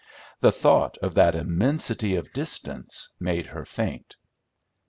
The thought of that immensity of distance made her faint.